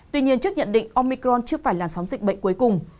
tuy nhiên trước nhận định omicron chưa phải làn sóng dịch bệnh cuối cùng